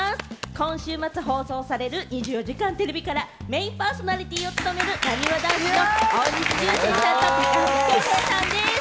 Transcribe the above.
今週末放送される『２４時間テレビ』からメインパーソナリティーを務める、なにわ男子の大西流星さんと高橋恭平さんです。